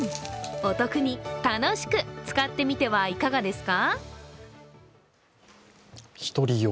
お得に楽しく使ってみてはいかがですか。